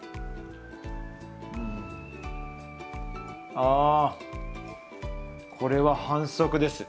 ああこれは反則です。